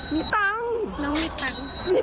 มีตังค์